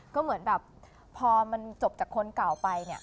ก็เหมือนแบบพอมันจบจากคนเก่าไปเนี่ย